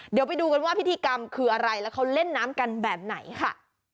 เดี๋ยวไปดูกันว่าพิธีกรรมคืออะไรแล้วเขาเล่นน้ำกันแบบไหนค่ะ